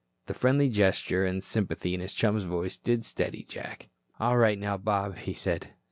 The friendly gesture and the sympathy in his chum's voice did steady Jack. "All right, now, Bob," he said.